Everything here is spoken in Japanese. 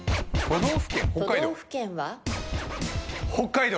都道府県は？北海道！